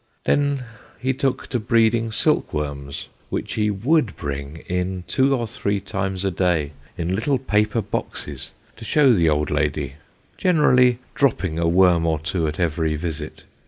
Then he took to breed ing silkworms, which he would bring in two or three times a day, in little paper boxes, to show the old lady, generally dropping a worm or two at every visit.